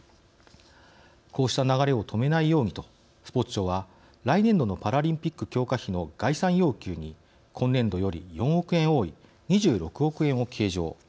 こうした流れを止めないようにとスポーツ庁は来年度のパラリンピック強化費の概算要求に今年度より４億円多い２６億円を計上。